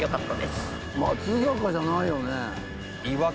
松坂じゃないよね？